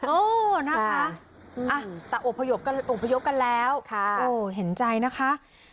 โอ้นะคะแต่อบพยกกันแล้วโอ้เห็นใจนะคะ